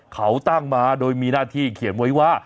เขาตั้งมาโดยมีหน้าที่เขียนไว้ว่า